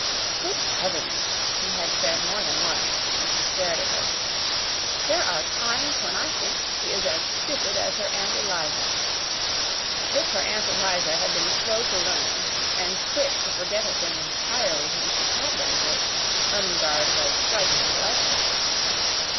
"Good heavens!" he had said more than once, as he stared at her, "there are times when I think she is as stupid as her Aunt Eliza!" If her Aunt Eliza had been slow to learn and quick to forget a thing entirely when she had learned it, Ermengarde was strikingly like her.